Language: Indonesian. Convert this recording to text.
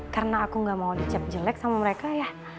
karena aku gak mau dicap jelek sama mereka ya